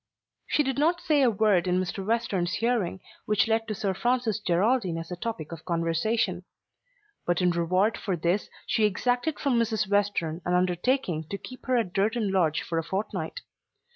She did not say a word in Mr. Western's hearing which led to Sir Francis Geraldine as a topic of conversation. But in reward for this she exacted from Mrs. Western an undertaking to keep her at Durton Lodge for a fortnight.